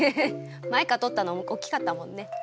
マイカとったのおっきかったもんね。